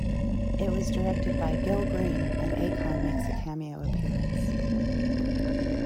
It was directed by Gil Green, and Akon makes a cameo appearance.